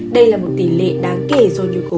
đây là một tỷ lệ đáng kể do nhu cầu